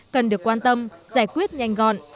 cần được quan tâm giải quyết nhanh gọn